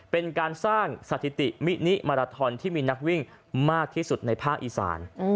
เป็นการสร้างสถิติมินิมาราทอนที่มีนักวิ่งมากที่สุดในภาคอีสาน